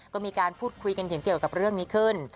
ก็มีการพูดคุยกันถึงเกี่ยวกับเรื่องนี้ขึ้น